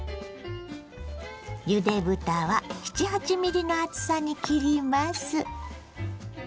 ゆで豚は７８ｍｍの厚さに切ります。